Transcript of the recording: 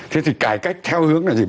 thế thì cải cách theo hướng là gì